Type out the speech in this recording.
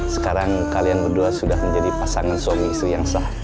sekarang kalian berdua sudah menjadi pasangan suami istri yang sah